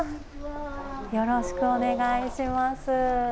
よろしくお願いします。